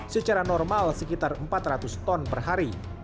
secara normal sekitar empat ratus ton per hari